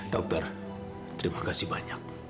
dokter terima kasih banyak